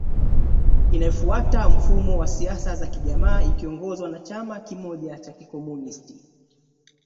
Inayofuata mfumo wa siasa za kijamaa ikiongozwa na chama kimoja cha Kikomunisti